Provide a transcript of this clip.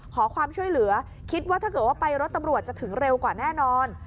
ขอความช่วยเหลือคิดว่าถ้าเกิดว่าไปรถตำรวจจะถึงเร็วกว่าแน่นอน